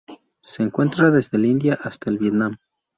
Se encuentra desde el India hasta el Vietnam.